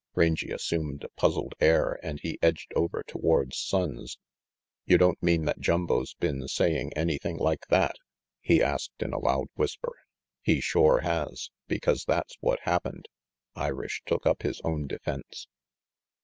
Rangy assumed a puzzled air and he edged over towards Sonnes. BANGY PETE 10ft "You don't mean that Jumbo's been saying any thing like that?" he asked in a loud whisper. "He shore has, because that's what happened." Irish took up his own defence.